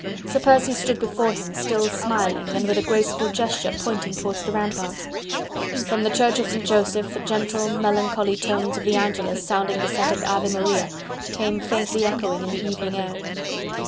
Sir Percy stood before him, still smiling and with a graceful gesture pointing towards the ramparts. From the Church of St. Joseph the gentle, melancholy tones of the Angelus sounding the second Ave Maria came faintly echoing in the evening air.